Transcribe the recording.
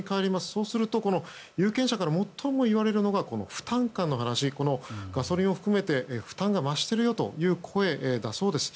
そうすると、有権者から最も言われるのがこの負担感の話ガソリンを含めて負担が増しているよという声だそうです。